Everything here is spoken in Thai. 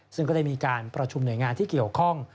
ซึ่งก็ได้มีการประชุมหน่วยงานที่เกี่ยวข้อง